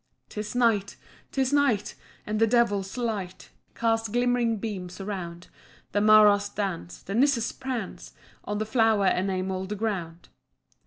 "'Tis night! 'tis night! and the devil's light Casts glimmering beams around. The maras dance, the nisses prance On the flower enamelled ground.